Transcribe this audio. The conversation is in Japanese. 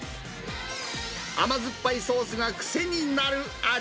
甘酸っぱいソースが癖になる味。